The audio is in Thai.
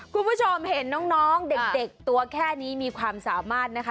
คุณผู้ชมเห็นน้องเด็กตัวแค่นี้มีความสามารถนะคะ